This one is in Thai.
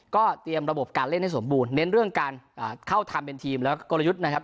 ก็เตรียมระบบการเล่นให้สมบูรณเน้นเรื่องการเข้าทำเป็นทีมแล้วก็กลยุทธ์นะครับ